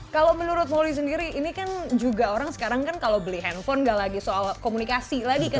kalau menurut moully sendiri ini kan juga orang sekarang kan kalau beli handphone nggak lagi soal komunikasi lagi kan